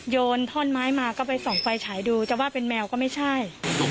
โยนท่อนไม้มาก็ไปส่องไฟฉายดูจะว่าเป็นแมวก็ไม่ใช่